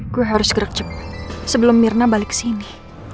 gue harus gerak cepat sebelum mirna balik ke sini